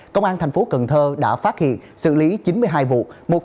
công an thành phố cần thơ đã phát hiện xử lý chín mươi hai vụ